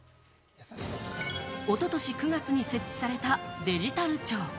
おととし９月に設置されたデジタル庁。